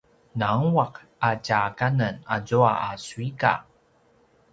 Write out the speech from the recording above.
nangua’ a tja kanen azua a suika!